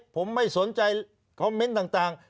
ผมไม่สนใจคอมเมนต์ต่าง